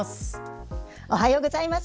おはようございます。